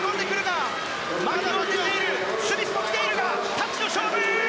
タッチの勝負！